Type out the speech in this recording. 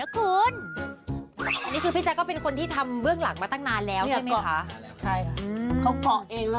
เกาะเองเมาเกาอยู่